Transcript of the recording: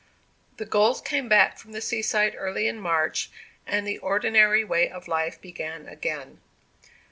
The Golds came back from the seaside early in March, and the ordinary way of life began again.